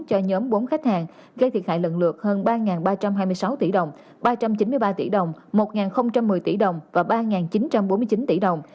cho nhóm bốn khách hàng gây thiệt hại lần lượt hơn ba ba trăm hai mươi sáu tỷ đồng ba trăm chín mươi ba tỷ đồng một một mươi tỷ đồng và ba chín trăm bốn mươi chín tỷ đồng